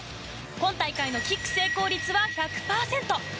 今大会のキック成功率は１００％。